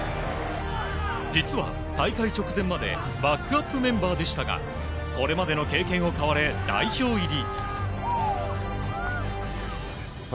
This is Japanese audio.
実は大会直前までバックアップメンバーでしたがこれまでの経験を買われ代表入り。